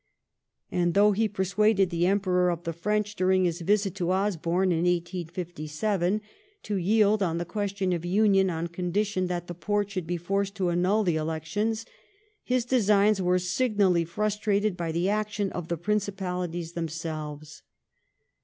And though he persuaded WAE8 AND EUM0UB8 OF WARS. 179 tbe Emperor of the French, daring his yisit to Osborne in ISSTy to yield on the qaestion of union on condition that the Porte shoald be forced to annul the elections ; his designs were signally frustrated by the action of the Principalities themselves.